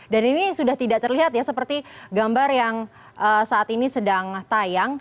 dan ini sudah tidak terlihat ya seperti gambar yang saat ini sedang tayang